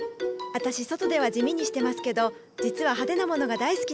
私外では地味にしてますけど実は派手なものが大好きなの。